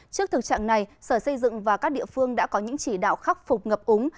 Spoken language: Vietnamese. trước thực trạng này sở xây dựng và các địa phương đã có những chỉ đạo khắc phục ngập úng